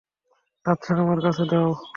আচ্ছা, আমার কাছে দাও।